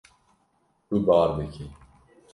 Tu bar dikî.